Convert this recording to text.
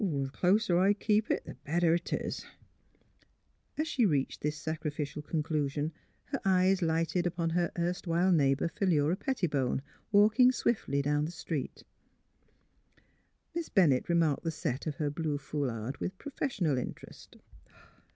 Th' closter I keep it, th' better 'tis." As she reached this sacrificial conclusion her eyes lighted upon her erstwhile neighbour, Philura Pettibone, walking swiftly down the street. Miss 180 THE HEART OF PHILURA Bennett remarked the '' set " of her blue foulard with professional interest.